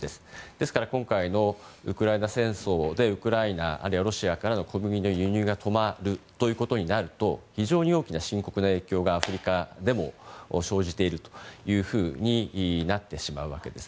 ですから今回のウクライナ戦争でウクライナ、あるいはロシアからの小麦の輸入が止まるということになると非常に大きな深刻な影響がアフリカでも生じているというふうになってしまうわけです。